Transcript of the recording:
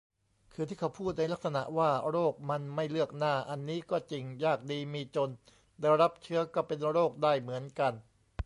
คือที่เขาพูดในลักษณะว่า "โรคมันไม่เลือกหน้า" อันนี้ก็จริง ยากดีมีจน ได้รับเชื้อก็เป็นโรคได้เหมือนกัน